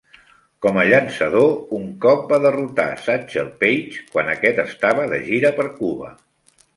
Com a llançador, un cop va derrotar Satchel Paige quan aquest estava de gira per Cuba.